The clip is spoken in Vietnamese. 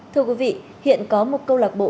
thưa quý vị hiện có một câu lạc bộ